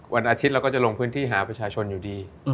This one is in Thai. วันอาทิตย์เราก็จะลงพื้นที่หาประชาชนอยู่ดี